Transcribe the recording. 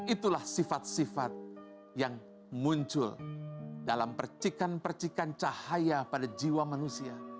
itulah sifat sifat yang muncul dalam percikan percikan cahaya pada jiwa manusia